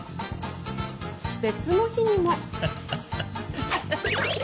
別の日にも。